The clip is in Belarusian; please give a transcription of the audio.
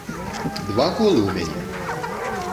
Два колы ў мяне?